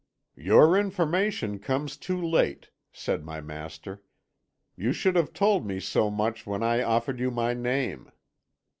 "'Your information comes too late,' said my master; 'you should have told me so much when I offered you my name.